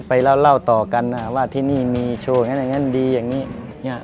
เล่าต่อกันว่าที่นี่มีโชว์อย่างนั้นอย่างนั้นดีอย่างนี้